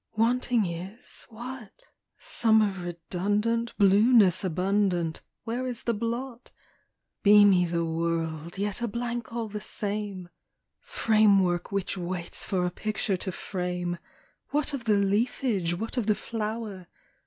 Wanting is what? Summer redundant, Blueness abundant, Where is the blot? Beamy the world, yet a blank all the same, Framework which waits for a picture to frame: What of the leafage, what of the flower?